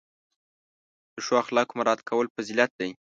د ښو اخلاقو مراعت کول فضیلت دی.